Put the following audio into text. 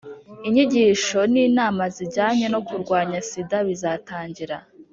inyigisho n'inama zijyanye no kurwanya sida bizatangira